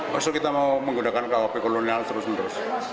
maksudnya kita mau menggunakan rkuhp kolonial terus terus